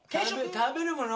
食べるもの？